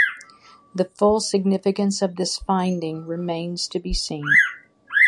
The full significance of this finding remains to be seen.